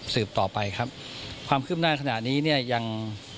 ต่อไปครับความคืบหน้าขณะนี้เนี่ยยัง